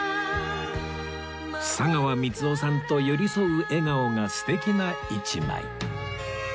佐川満男さんと寄り添う笑顔が素敵な１枚